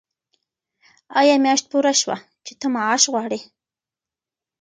آیا میاشت پوره شوه چې ته معاش غواړې؟